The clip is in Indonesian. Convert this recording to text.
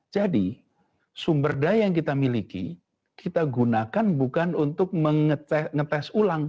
jadi sumber daya yang kita miliki kita gunakan bukan untuk mengetes ulang